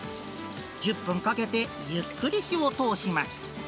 １０分かけてゆっくり火を通します。